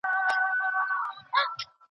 هغه ټولنه بریا ته رسېږي چي کتاب لولي.